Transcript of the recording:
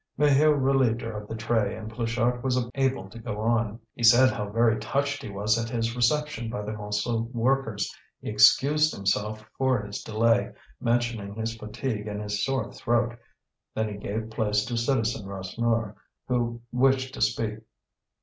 Maheu relieved her of the tray and Pluchart was able to go on. He said how very touched he was at his reception by the Montsou workers, he excused himself for his delay, mentioning his fatigue and his sore throat, then he gave place to Citizen Rasseneur, who wished to speak.